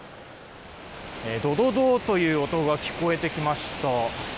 ドドドという音が聞こえてきました。